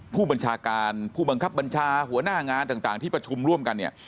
ผู้บัญชาการผู้บังคับบัญชาหัวหน้างานต่างที่ประชุมร่วมกันเนี่ย